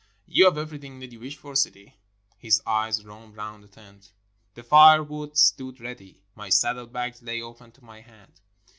''You have everything that you wish for, Sidi?" His eyes roamed round the tent. The firewood stood ready ; my saddle bags lay open to my hand.